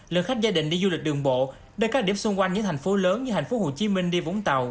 lượng khách gia đình đi du lịch đường bộ nơi các điểm xung quanh những thành phố lớn như thành phố hồ chí minh đi vũng tàu